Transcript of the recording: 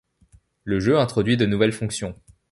Le jeu introduit de nouvelles fonctions.